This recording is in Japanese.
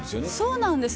そうなんです